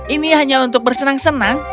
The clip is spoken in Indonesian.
ini hanya untuk bersenang senang